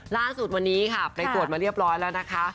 ล่าสุดวันนี้ค่ะไปตรวจมาเรียบร้อยแล้วนะคะ